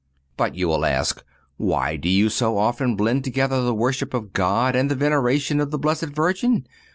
But you will ask: Why do you so often blend together the worship of God and the veneration of the Blessed Virgin?